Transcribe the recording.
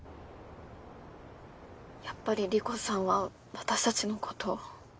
やっぱり理子さんは私たちのことを？